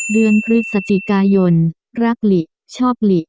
เดือนพฤศจิกายนรักหลิชอบหลี